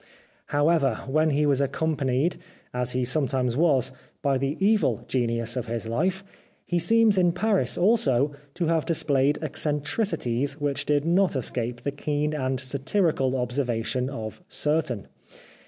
However, when he was accompanied, as he sometimes was, by the evil genius of his life, he seems in Paris, also, to have displayed eccen tricities which did not escape the keen and satirical observation of certain.